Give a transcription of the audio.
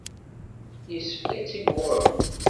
Yessefk ad timɣurem.